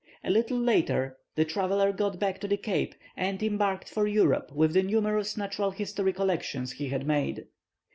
A little later, the traveller got back to the Cape, and embarked for Europe with the numerous natural history collections he had made.